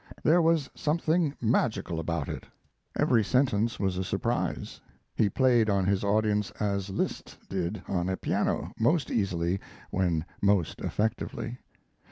There was something magical about it. Every sentence was a surprise. He played on his audience as Liszt did on a piano most easily when most effectively.